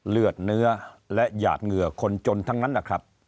เลือดเนื้อและหยาดเหงื่อคนจนทั้งนั้นนะครับ